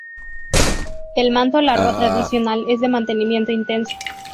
El manto largo tradicional es de mantenimiento intenso.